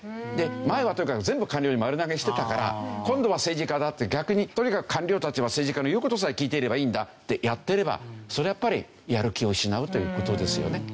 前はとにかく全部官僚に丸投げしてたから今度は政治家だって逆にとにかく官僚たちは政治家の言う事さえ聞いていればいいんだってやってればそれはやっぱりやる気を失うという事ですよね。